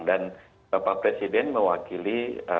dan bapak presiden mewakili